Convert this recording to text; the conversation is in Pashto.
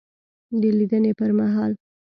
دلیدني پر مهال